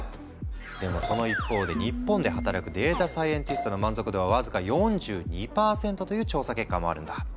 でもその一方で日本で働くデータサイエンティストの満足度は僅か４２％という調査結果もあるんだ。